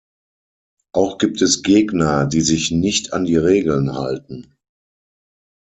Auch gibt es Gegner, die sich nicht an die Regeln halten.